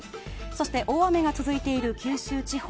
そして大雨が続いてる九州地方。